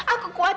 aku harus pergi